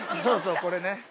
そうそうこれね！